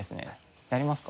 やりますか？